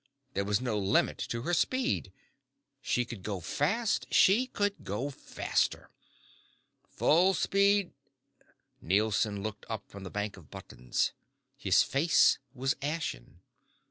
There was no limit to her speed. She could go fast, then she could go faster. "Full speed " Nielson looked up from the bank of buttons. His face was ashen.